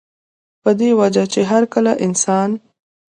پۀ دې وجه چې هر کله انسان